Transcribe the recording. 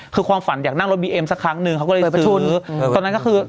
คือความฝันอยากนั่งรถบีเอ็มสักครั้งหนึ่งเขาก็เลยไปชนตอนนั้นก็คือ